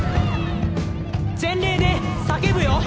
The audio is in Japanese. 全霊で叫ぶよ！